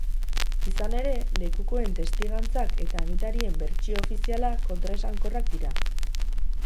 Izan ere, lekukoen testigantzak eta agintarien bertsio ofiziala kontraesankorrak dira.